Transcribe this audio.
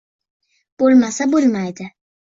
Bo‘lmasa, bo‘lmaydi.